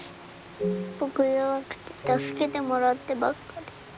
僕弱くて助けてもらってばっかで。